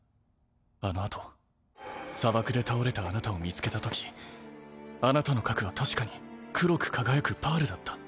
あのあと砂漠で倒れたあなたを見つけたときあなたの核は確かに黒く輝くパールだった。